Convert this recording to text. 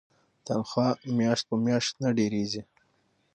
تنخوا میاشت په میاشت نه دریږي.